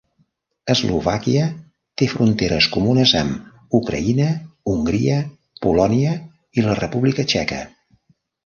Eslovàquia té fronteres comunes amb Ucraïna, Hongria, Polònia i la República Txeca.